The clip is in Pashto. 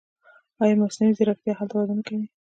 آیا مصنوعي ځیرکتیا هلته وده نه کوي؟